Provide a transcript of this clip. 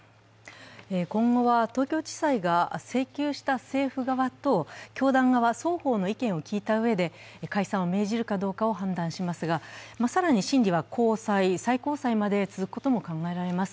今後は東京地裁が請求した政府側と教団側双方の意見を聞いた上で解散を命じるかどうかを判断しますが、更に審理は高裁、最高裁まで続くことも考えられます。